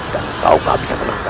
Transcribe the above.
dan kau gak bisa kemana mana